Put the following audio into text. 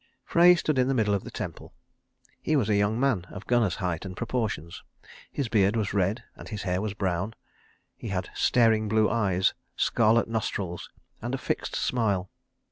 Frey stood in the middle of the temple. He was a young man of Gunnar's height and proportions. His beard was red and his hair was brown. He had staring blue eyes, scarlet nostrils and a fixed smile.